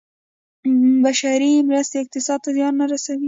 بشري مرستې اقتصاد ته زیان نه رسوي.